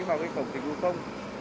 vào cái cổng dịch vụ công